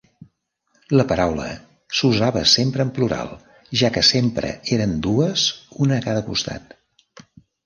La paraula s'usava sempre en plural, ja que sempre eren dues, una a cada costat.